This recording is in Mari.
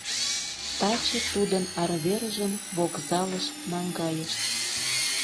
Таче тудын арвержым вокзалыш наҥгайышт.